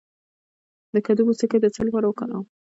د کدو پوستکی د څه لپاره وکاروم؟